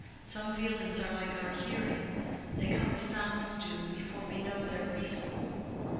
Some feelings are like our hearing: they come as sounds do, before we know their reason.